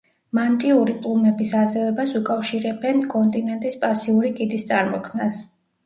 მანტიური პლუმების აზევებას უკავშირებენ კონტინენტის პასიური კიდის წარმოქმნას.